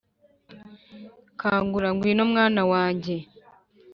kangura; ngwino, mwana wanjye!